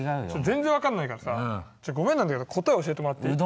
全然分かんないからさごめんなんだけど答え教えてもらっていい？